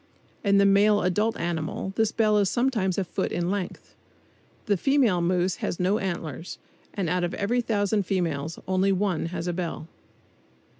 In the adult male animal this bell is sometimes a foot in length The female moose has no antlers, and out of every thousand females only one has a bell.